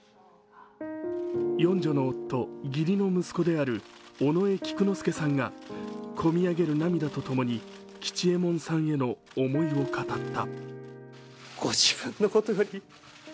四女の夫、義理の息子である尾上菊之助さんがこみ上げる涙とともに、吉右衛門さんへの思いを語った。